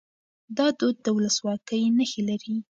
دا دود د ولسواکۍ نښې لري.